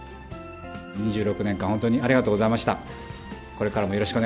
２６年間、本当にありがとうございました。